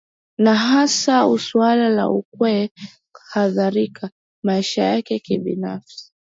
Na hasa suala la kuweka hadharani maisha yake binafsi